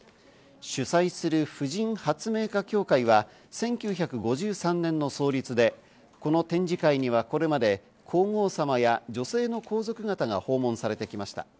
主催する婦人発明家協会は１９５３年の創立で、この展示会には、これまで皇后さまや女性の皇族方が訪問されてきました。